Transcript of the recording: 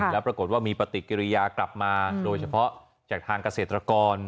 แล้วปรากฏว่ามีปฏิกิริยากลับมาโดยเฉพาะจากทางเกษตรกร